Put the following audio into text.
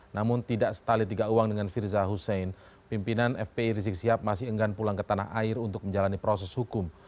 namun tidak setali tiga uang dengan firza husein pimpinan fpi rizik sihab masih enggan pulang ke tanah air untuk menjalani proses hukum